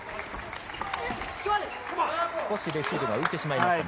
レシーブが浮いてしまいましたか。